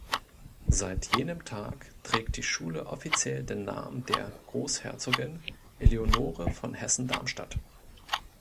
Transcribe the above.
Seit jenem Tag trägt die Schule offiziell den Namen der Großherzogin Eleonore von Hessen-Darmstadt.